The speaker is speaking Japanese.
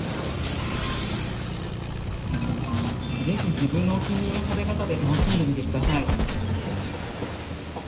是非自分のお気に入りの食べ方で楽しんでみて下さい！